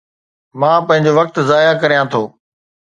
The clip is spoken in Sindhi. مان پنهنجو وقت ضايع ڪريان ٿو